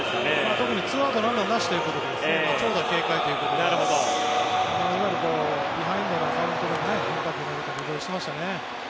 特に２アウトランナーなしということで長打警戒ということでいわゆるビハインドのカウントでも変化球投げたりとか色々してましたね。